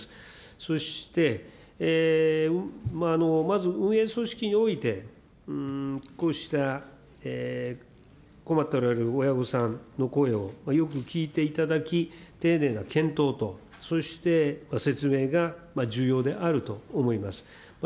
そして、まず運営組織において、こうした困っておられる親御さんの声をよく聞いていただき、丁寧な検討と、そして説明が重要であると思います。